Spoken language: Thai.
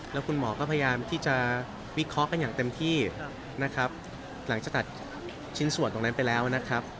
แล้วคุณหมอก็พยายามที่จะวิเคราะห์กันอย่างเต็มที่นะครับหลังจากตัดชิ้นส่วนตรงนั้นไปแล้วนะครับ